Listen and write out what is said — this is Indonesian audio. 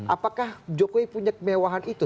apakah jokowi punya kemewahan itu